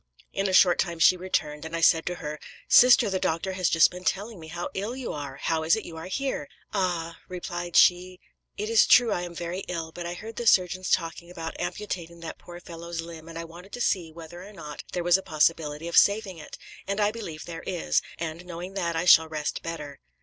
In a short time she returned, and I said to her, 'Sister, the doctor has just been telling me how ill you are how is it you are here?' 'Ah!' replied, she 'it is true I am very ill; but I heard the surgeons talking about amputating that poor fellow's limb, and I wanted to see whether or not there was a possibility of saving it, and I believe there is; and, knowing that, I shall rest better.'